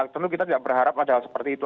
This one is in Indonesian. tentu kita tidak berharap padahal seperti itu